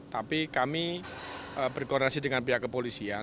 tapi kami berkoordinasi dengan pihak kepolisian